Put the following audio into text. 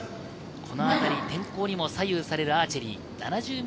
やはり天候にも左右されるアーチェリー。